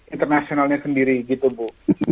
internasionalnya sendiri gitu bu